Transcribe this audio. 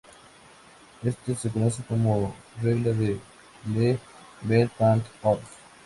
Esto se conoce como regla de Le Bel-van't Hoff.